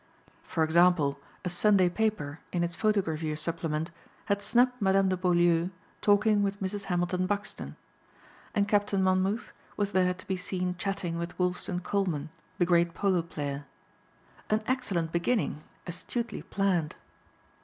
For example, a Sunday paper in its photogravure supplement had snapped Madame de Beaulieu talking with Mrs. Hamilton Buxton; and Captain Monmouth was there to be seen chatting with Wolfston Colman, the great polo player. An excellent beginning astutely planned.